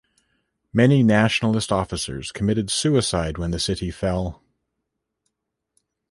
Many Nationalist officers committed suicide when the city fell.